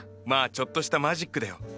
まあちょっとしたマジックだよ。